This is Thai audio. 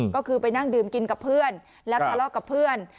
ก็คือไปนั่งดื่มกินกับเพื่อนแล้วทะเลาะกับเพื่อน